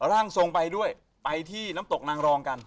ร่างทรงไปด้วยไปที่น้ำตกนางรองกัน